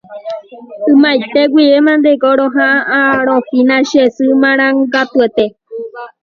Ymaiteguivémaniko roha'ãrõhína che sy marangatuete